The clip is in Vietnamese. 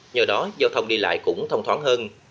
nhờ đó giao thông đi lại cũng thông thoáng hơn